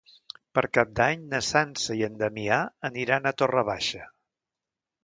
Per Cap d'Any na Sança i en Damià aniran a Torre Baixa.